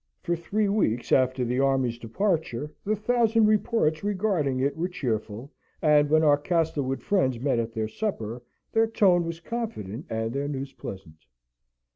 For three weeks after the army's departure, the thousand reports regarding it were cheerful; and when our Castlewood friends met at their supper, their tone was confident and their news pleasant.